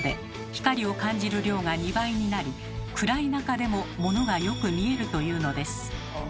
光を感じる量が２倍になり暗い中でもものがよく見えるというのです。